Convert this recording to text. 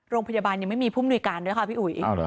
โรงพยาบาลยังไม่มีผู้มนุยการด้วยค่ะพี่อุ๋ย